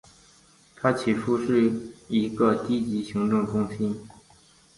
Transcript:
它起初是一个低级行政中心。